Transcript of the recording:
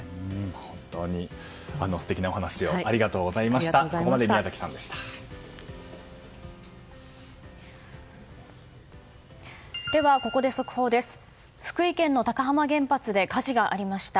本当に素敵なお話をありがとうございました。